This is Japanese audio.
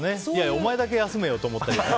お前だけ休めよって思ったり。